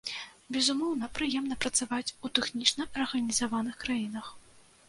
Безумоўна, прыемна працаваць у тэхнічна арганізаваных краінах.